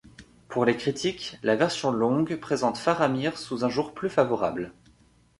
Pour les critiques, la version longue présente Faramir sous un jour plus favorable.